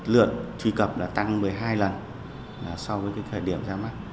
lượt truy cập tăng một mươi hai lần so với thời điểm ra mắt